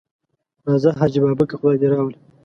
راځه حاجي بابکه خدای دې راوله.